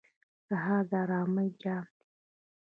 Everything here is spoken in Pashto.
سهار د آرامۍ جام دی.